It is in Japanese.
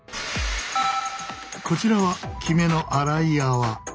こちらはきめの粗い泡。